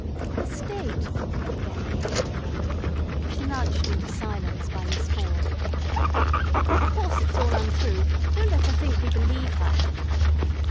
"The State " began Lady Arabel, but was nudged into silence by Miss Ford. "Of course it's all untrue. Don't let her think we believe her."